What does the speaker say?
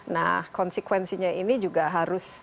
nah konsekuensinya ini juga harus